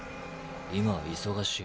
今は忙しい。